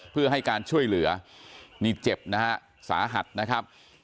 เพื่อให้การช่วยเหลือนี่เจ็บนะฮะสาหัสนะครับ